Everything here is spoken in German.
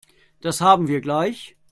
Das haben wir gleich.